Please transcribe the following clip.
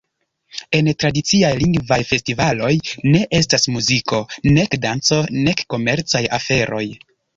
En tradiciaj Lingvaj Festivaloj ne estas muziko, nek danco, nek komercaj aferoj.